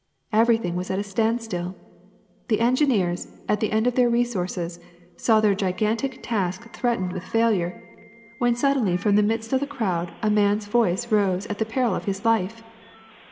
Everything was at a stand still. The engineers, at the end of their resources, saw their gigantic task threatened with failure, when suddenly from the midst of the crowd a man's voice rose at the peril of his life.